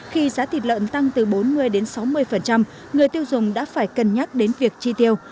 khi giá thịt lợn tăng từ bốn mươi đến sáu mươi người tiêu dùng đã phải cân nhắc đến việc chi tiêu